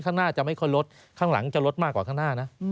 ข้างหน้าจะไม่ค่อยลดข้างหลังจะลดมากกว่าข้างหน้านะ